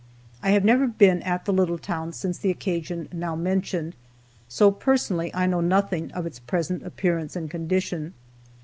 I have never been at the little town since the occasion now mentioned, so personally I know nothing of its present appearance and condition.